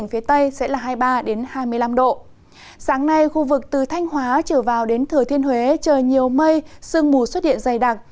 sáng nay khu vực từ thanh hóa trở vào đến thừa thiên huế trời nhiều mây sương mù xuất hiện dày đặc